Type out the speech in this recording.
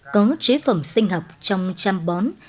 có chế phẩm sinh học trong chăm bón